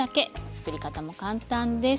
作り方も簡単です。